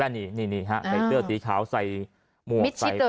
ปอล์กับโรเบิร์ตหน่อยไหมครับ